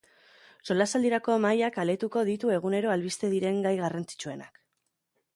Solasaldirako mahaiak aletuko ditu egunero albiste diren gai garrantzitsuenak.